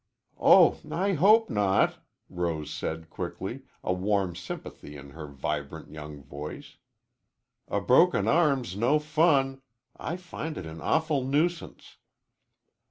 "Oh, I hope not," Rose said quickly, a warm sympathy in her vibrant young voice. "A broken arm's no fun. I find it an awful nuisance."